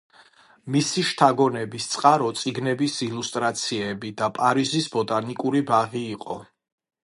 მისი შთაგონების წყარო წიგნების ილუსტრაციები და პარიზის ბოტანიკური ბაღი იყო.